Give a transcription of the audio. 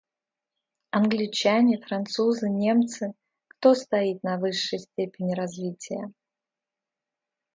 Англичане, Французы, Немцы — кто стоит на высшей степени развития?